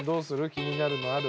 気になるのある？